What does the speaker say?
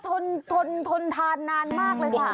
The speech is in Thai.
โอ้โฮทนทานนานมากเลยค่ะ